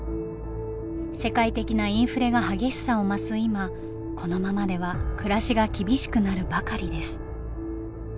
世界的なインフレが激しさを増す今このままでは暮らしが厳しくなるばかりです。